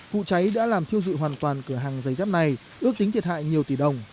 vụ cháy đã làm thiêu dụi hoàn toàn cửa hàng giấy dép này ước tính thiệt hại nhiều tỷ đồng